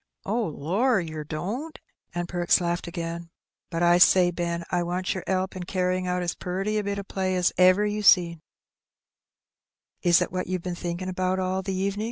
"Oh, lor, yer don't?" and Perks laughed again. "But I say, Ben, I wants yer 'elp in carryin' out as puriy a bit o' play as ever you seen." "Is it what you've been thinking about all the evenin'?"